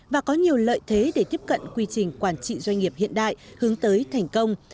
và có nhiều lợi thế để tiếp cận quy trình quản trị doanh nghiệp hiện đại hướng tới thành công